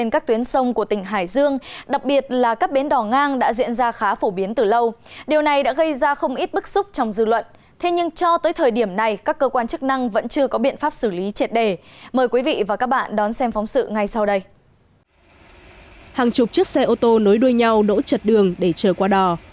hàng chục chiếc xe ô tô nối đuôi nhau đỗ trượt đường để chờ qua đò